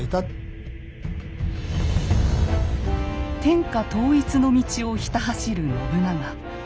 天下統一の道をひた走る信長。